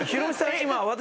今私。